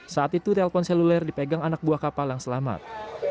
saat itu telpon seluler dipegang anak buah kapal yang selamat